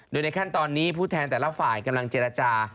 โดยในขั้นตอนนี้ผู้แทนแต่ละฝ่ายกำลังเจรจา